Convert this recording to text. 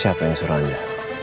siapa yang suruh anda